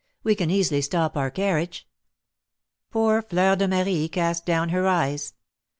We can easily stop our carriage." Poor Fleur de Marie cast down her eyes.